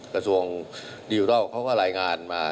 กระทรวงดิจิทัลเขาก็รายงานมา